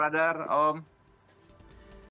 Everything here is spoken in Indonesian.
wa alaikumsalam brother om